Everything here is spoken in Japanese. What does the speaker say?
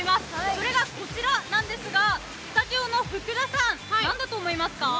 それがこちらなんですが、スタジオの福田さん、何だと思いますか？